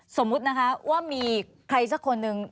สมมุตินะคะว่ามีใครสักคนหนึ่ง